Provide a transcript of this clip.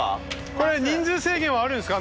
これ人数制限はあるんですか？